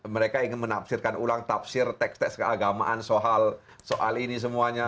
mereka ingin menafsirkan ulang tafsir teks teks keagamaan soal ini semuanya